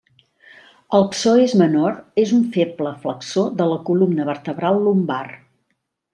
El psoes menor és un feble flexor de la columna vertebral lumbar.